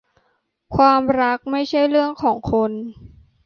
ความรักไม่ใช่เรื่องของคน